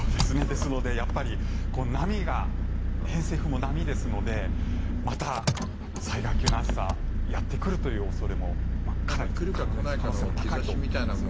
ですので、やっぱり波が偏西風も波ですのでまた災害級の暑さがやってくるという恐れもかなり可能性は高いと思います。